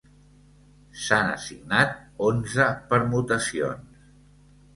S'han assignat onze permutacions.